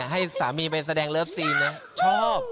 ให้สามีไปแสดงเลิฟซีนนะชอบ